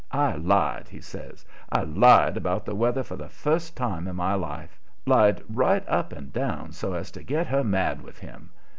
I lied," he says; "I lied about the weather for the first time in my life; lied right up and down so as to get her mad with him.